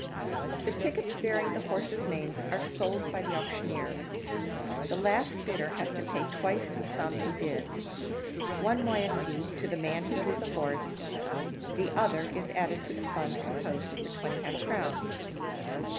The tickets bearing the horses' names are sold by the auctioneer; the last bidder has to pay twice the sum he bids one moiety to the man who drew the horse, the other is added to the fund composed of the twenty half crowns.